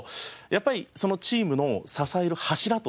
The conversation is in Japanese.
やっぱりそのチームの支える柱として。